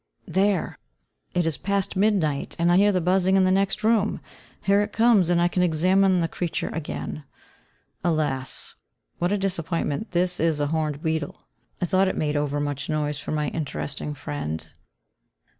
There! it is past midnight, and I hear the buzzing in the next room; here it comes; and I can examine the creature again. Alas! what a disappointment: this is a horned beetle. I thought it made over much noise for my interesting friend.